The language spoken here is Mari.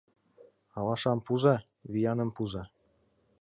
Алашам пуыза — вияным пуыза